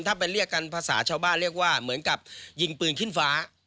ถ้าไปเรียกกันภาษาชาวบ้านเรียกว่าเหมือนกับยิงปืนขึ้นฟ้า